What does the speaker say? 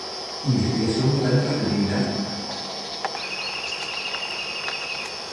Investigación Botánica preliminar de la región norte del Estado de Jalisco.